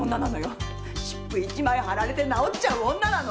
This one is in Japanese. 湿布１枚はられて治っちゃう女なの。